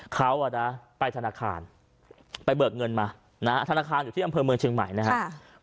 เขาไปธนาคารไปเบิกเงินมานะฮะธนาคารอยู่ที่อำเภอเมืองเชียงใหม่นะครับ